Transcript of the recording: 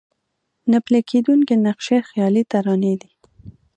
نه پلي کېدونکي نقشې خيالي ترانې دي.